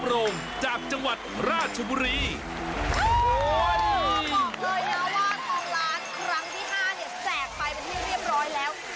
บอกเลยนะว่าทองล้านครั้งที่๕เนี่ยแจกไปเป็นที่เรียบร้อยแล้ว